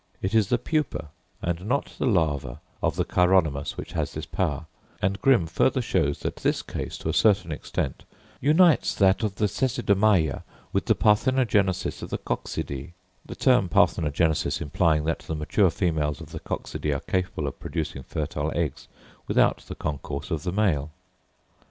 It is the pupa, and not the larva, of the Chironomus which has this power; and Grimm further shows that this case, to a certain extent, "unites that of the Cecidomyia with the parthenogenesis of the Coccidæ;" the term parthenogenesis implying that the mature females of the Coccidæ are capable of producing fertile eggs without the concourse of the male.